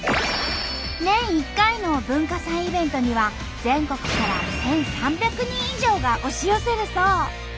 年１回の文化祭イベントには全国から１，３００人以上が押し寄せるそう。